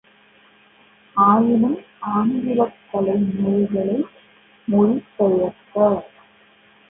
ஆயினும், ஆங்கிலக் கலை நூல்களை மொழி பெயர்க்கப்